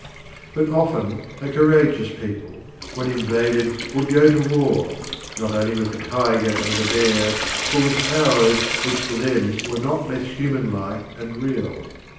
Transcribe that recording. But often a courageous people, when invaded, would go to war, not only with the tiger and the bear but with powers which to them were not less human like and real.